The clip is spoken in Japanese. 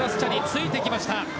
ついてきました。